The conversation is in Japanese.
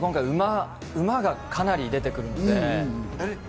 馬がかなり出てくるので。